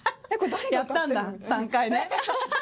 やったんだ３回ね。